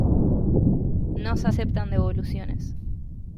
No Se Aceptan Devoluciones.